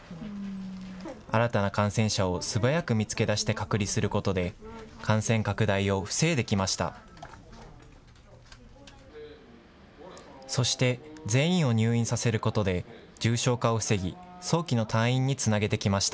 新たな感染者を素早く見つけ出して隔離することで、感染拡大を防いできました。